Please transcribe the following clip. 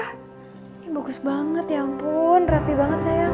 ini bagus banget ya ampun rapi banget sayang